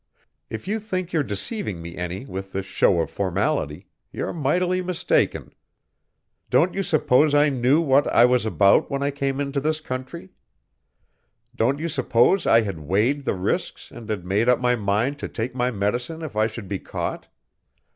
If you think you're deceiving me any with this show of formality, you're mightily mistaken. Don't you suppose I knew what I was about when I came into this country? Don't you suppose I had weighed the risks and had made up my mind to take my medicine if I should be caught?